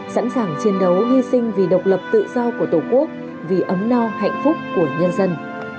sẵn sàng chiến đấu hy sinh vì độc lập tự do của tổ quốc vì ấm no hạnh phúc của nhân dân